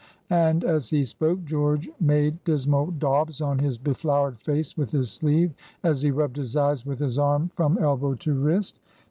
And, as he spoke, George made dismal daubs on his befloured face with his sleeve, as he rubbed his eyes with his arm from elbow to wrist.